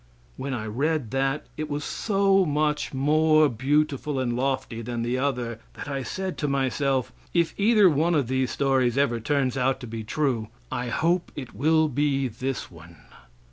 When I read that, it was so much more beautiful and lofty than the other, that I said to myself, "If either one of these stories ever turns out to be true, I hope it will be this one."